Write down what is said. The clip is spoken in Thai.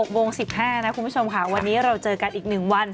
๖โมง๑๕นะคุณผู้ชมค่ะวันนี้เราเจอกันอีก๑วัน